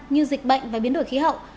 như dịch bệnh và biến đổi khí hậu